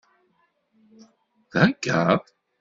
Theggaḍ?